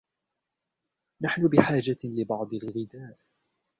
نحن بحاجة لبعض الغذاء.